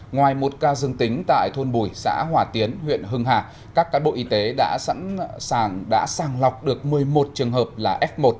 ngoài một ca dương tính tại thôn bùi xã hòa tiến huyện hưng hà các cán bộ y tế đã sẵn sàng lọc được một mươi một trường hợp là f một